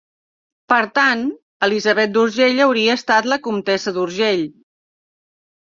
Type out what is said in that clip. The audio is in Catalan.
Per tant Elisabet d'Urgell hauria estat la comtessa d'Urgell.